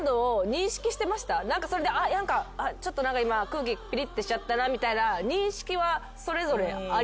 何かそれで何か今空気ピリってしちゃったなみたいな認識はそれぞれありましたか？